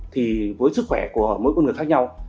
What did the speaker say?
thì với sức khỏe của mỗi con người khác nhau